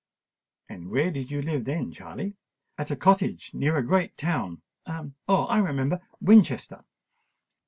"And where did you live then, Charley?" "At a cottage near a great town—Oh! I remember—Winchester."